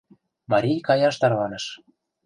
Марий каяш тарваныш: